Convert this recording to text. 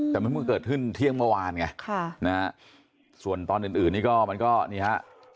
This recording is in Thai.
แต่มันเพิ่งเกิดขึ้นเที่ยงเมื่อวานไงส่วนตอนอื่นอื่นนี่ก็มันก็นี่ฮะ